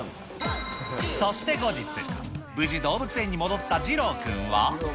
そして後日、無事動物園に戻った次郎くんは。